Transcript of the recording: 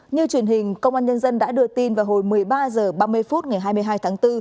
như truyền hình công an nhân dân đã đưa tin vào hồi một mươi ba h ba mươi phút ngày hai mươi hai tháng bốn